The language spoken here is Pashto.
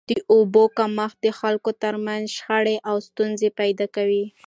د اوبو کمښت د خلکو تر منځ شخړي او ستونزي پیدا کوي.